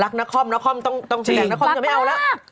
รักนาคอมต้องแหน่งนาคอมจะไม่เอาแล้ว